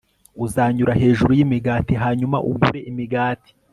uzanyura hejuru yimigati hanyuma ugure imigati